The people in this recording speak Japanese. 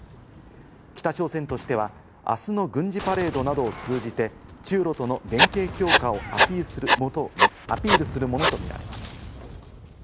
北朝鮮としてはあすの軍事パレードなどを通じて、中露との連携強化をアピールするものとみられます。